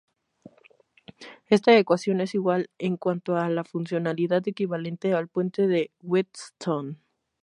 Esta ecuación es igual en cuanto a la funcionalidad equivalente al puente de Wheatstone.